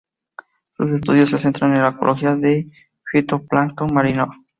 Sus estudios se centran en la ecología de fitoplancton marino.